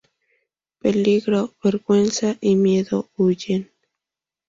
Peligro, Vergüenza y Miedo huyen.